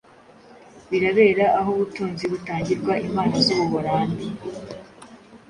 birabera aho ubutunzi butangirwa imana zUbuholandi